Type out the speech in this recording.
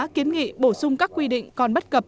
kiến nghị bổ sung các quy định còn bất cập